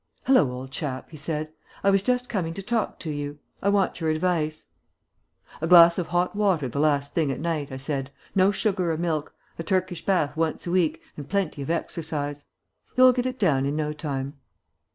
"Hallo, old chap!" he said. "I was just coming to talk to you. I want your advice." "A glass of hot water the last thing at night," I said, "no sugar or milk, a Turkish bath once a week and plenty of exercise. You'll get it down in no time."